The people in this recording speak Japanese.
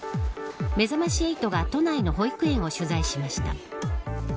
めざまし８が都内の保育園を取材しました。